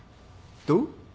どう？